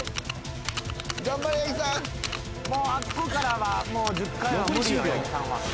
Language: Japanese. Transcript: あっこからはもう１０回は無理よ八木さんは。